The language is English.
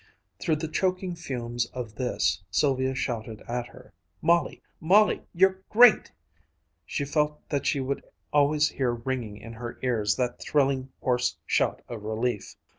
Through the choking fumes of this, Sylvia shouted at her, "Molly! Molly! You're great!" She felt that she would always hear ringing in her ears that thrilling, hoarse shout of relief.